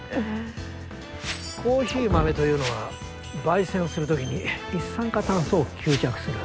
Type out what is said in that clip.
コーヒー豆というのは焙煎する時に一酸化炭素を吸着する。